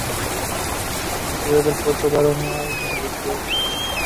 En la ciudad de Puerto Varas, no hay universidades presentes.